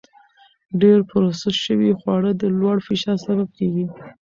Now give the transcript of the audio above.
ډېر پروسس شوي خواړه د لوړ فشار سبب کېږي.